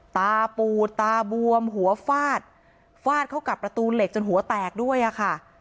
ตาปูดตาบวมหัวฟาดฟาดเข้ากับประตูเหล็กจนหัวแตกด้วยอะค่ะ